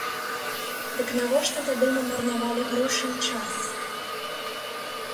Дык навошта тады мы марнавалі грошы і час?